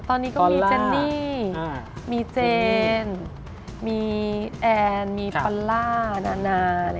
ตอนนี้ก็มีเจนนี่มีเจนมีแอนมีปัลล่านานา